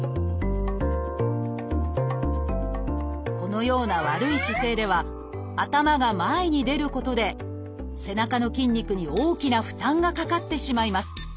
このような悪い姿勢では頭が前に出ることで背中の筋肉に大きな負担がかかってしまいます。